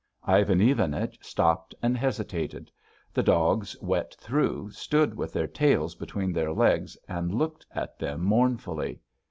Ivan Ivanich stopped and hesitated; the dogs, wet through, stood with their tails between their legs and looked at them mournfully.